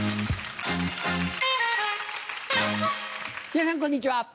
皆さんこんにちは。